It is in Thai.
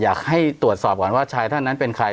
อยากให้ตรวจสอบก่อนว่าชายท่านนั้นเป็นใคร